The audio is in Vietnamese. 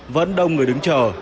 vẫn đông người đứng chờ